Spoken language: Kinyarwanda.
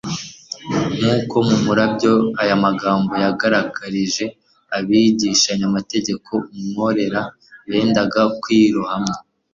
Nko mu murabyo ayo magambo yagaragarije abigishamategeko umworera bendaga kwirohamo.